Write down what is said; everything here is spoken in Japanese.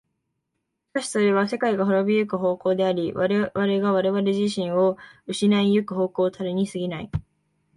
しかしそれは世界が亡び行く方向であり、我々が我々自身を失い行く方向たるに過ぎない。